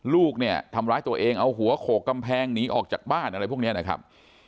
ลูกเนี่ยทำร้ายตัวเองเอาหัวโขกกำแพงหนีออกจากบ้านอะไรพวกนี้นะครับ